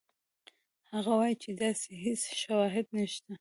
هغه وایي چې داسې هېڅ شواهد نشته.